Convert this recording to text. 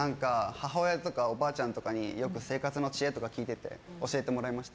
母親とかおばあちゃんとかによく生活の知恵とか聞いていて、教えてもらいました。